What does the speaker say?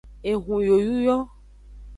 Ehun yoyu yo.